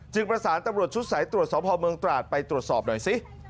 ประสานตำรวจชุดสายตรวจสอบภาวเมืองตราดไปตรวจสอบหน่อยสิ